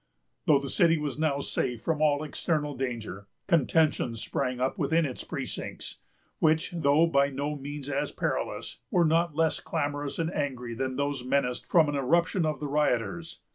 Though the city was now safe from all external danger, contentions sprang up within its precincts, which, though by no means as perilous, were not less clamorous and angry than those menaced from an irruption of the rioters.